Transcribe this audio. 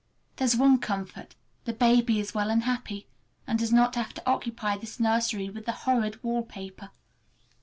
There's one comfort, the baby is well and happy, and does not have to occupy this nursery with the horrid wallpaper.